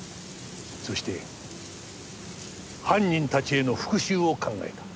そして犯人たちへの復讐を考えた。